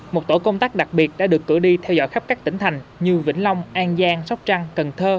một tổ công tác đặc biệt đã được cử đi theo dõi khắp các tỉnh thành như vĩnh long an giang sóc trăng cần thơ